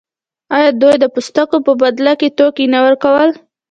آیا دوی د پوستکو په بدل کې توکي نه ورکول؟